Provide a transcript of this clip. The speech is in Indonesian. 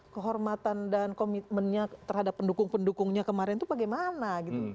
kehormatan dan komitmennya terhadap pendukung pendukungnya kemarin itu bagaimana